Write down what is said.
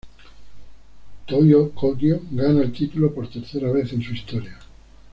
Toyo Kogyo gana el título por tercera vez en su historia.